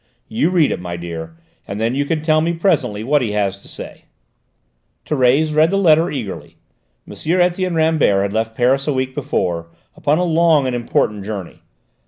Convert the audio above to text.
"You read it, my dear, and then you can tell me presently what he has to say." Thérèse read the letter eagerly. M. Etienne Rambert had left Paris a week before, upon a long and important journey.